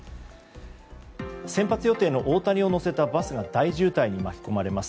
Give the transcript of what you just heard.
先発予定の大谷を乗せたバスが大渋滞に巻き込まれます。